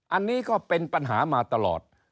อันนี้ก็เป็นปัญหามาตลอด